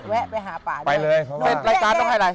เสร็จรายการต้องให้อะไร